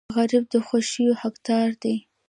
غریب د خوښیو حقدار دی